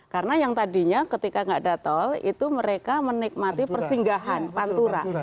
karena yang tadinya ketika tidak ada tol itu mereka menikmati persinggahan pantura